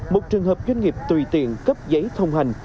một trường hợp doanh nghiệp tùy tiện cấp giấy thông hành